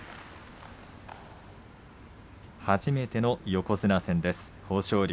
初めての横綱戦、豊昇龍。